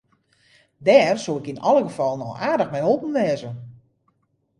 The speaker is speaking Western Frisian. Dêr soe ik yn alle gefallen al aardich mei holpen wêze.